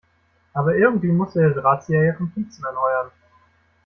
Aber irgendwie musste der Drahtzieher ja Komplizen anheuern.